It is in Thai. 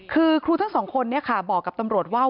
คือครูทั้งสองคนเนี่ยค่ะบอกกับตำรวจว่า